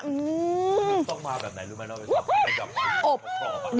มันต้องมาแบบไหนโอบ